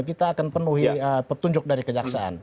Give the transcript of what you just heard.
kita akan penuhi petunjuk dari kejaksaan